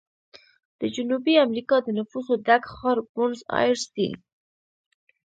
د جنوبي امریکا د نفوسو ډک ښار بونس ایرس دی.